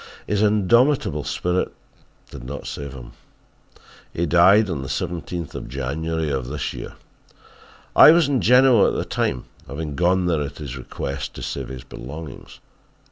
His indomitable spirit did not save him. He died on the 17th of January of this year. I was in Genoa at the time, having gone there at his request to save his belongings.